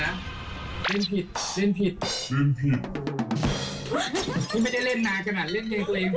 เราให้อีกเทคหนึ่ง